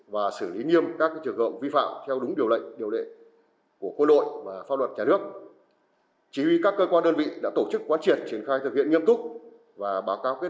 và xử lý nghiêm các trường hợp vi phạm theo đúng điều lệnh điều lệ của quân đội và pháp luật nhà nước